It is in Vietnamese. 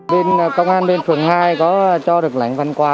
bên công an bên phường hai có cho được lãnh văn quà